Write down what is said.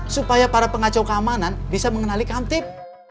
supaya para pengacau keamanan bisa mengenali kamtip